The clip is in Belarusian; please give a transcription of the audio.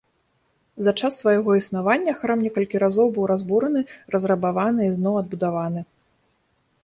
За час свайго існавання храм некалькі разоў быў разбураны, разрабаваны і зноў адбудаваны.